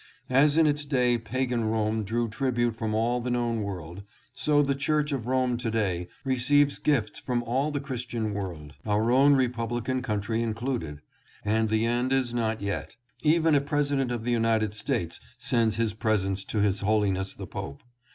As in its day pagan Rome drew tribute from all the known world, so the Church of Rome to day receives gifts from all the Christian world, our own republican country included, and the end is not yet. Even a President of the United States sends his presents to his Holiness the Pope.